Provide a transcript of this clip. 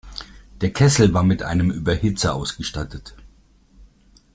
Der Kessel war mit einem Überhitzer ausgestattet.